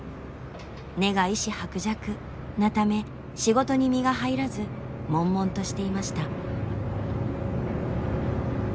「根が意志薄弱」なため仕事に身が入らず悶々としていました。